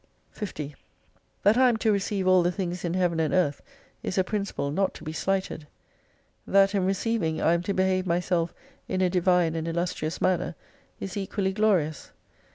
50 That I am to receive all the things in Heaven and Earth is a principle not to be slighted. That in receiv ing I am to behave myself in a Divine and illustrious manner, is equally glorious.